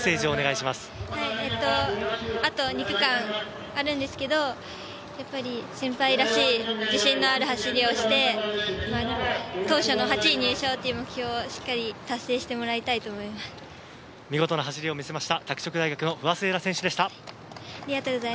あと２区間あるんですけど先輩らしい自信のある走りをして当初の８位入賞という目標をしっかり達成してもらいたいと見事な走りを見せました。